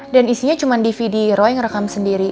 dan isinya cuma dvd roy ngerekam sendiri